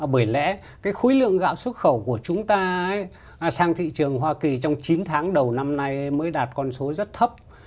bởi lẽ cái khối lượng gạo xuất khẩu của chúng ta sang thị trường hoa kỳ trong chín tháng đầu năm nay mới đạt con số rất thấp